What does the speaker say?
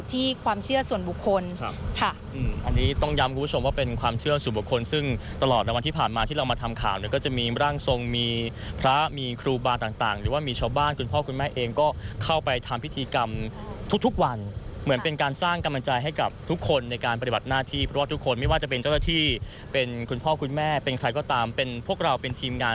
ที่ความเชื่อส่วนบุคคลค่ะอันนี้ต้องย้ำคุณผู้ชมว่าเป็นความเชื่อส่วนบุคคลซึ่งตลอดแต่วันที่ผ่านมาที่เรามาทำข่าวเนี่ยก็จะมีร่างทรงมีพระมีครูบาต่างหรือว่ามีชาวบ้านคุณพ่อคุณแม่เองก็เข้าไปทำพิธีกรรมทุกวันเหมือนเป็นการสร้างกำลังใจให้กับทุกคนในการปฏิบัติหน้าท